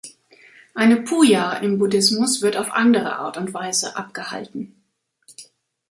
Eine Puja im Buddhismus wird auf andere Art und Weise abgehalten.